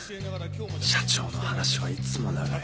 社長の話はいつも長い